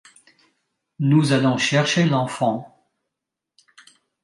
Nous allons chercher l’enfant.